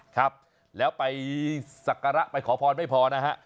ครับแล้วไปสักการะไปขอพรไม่พอนะฮะ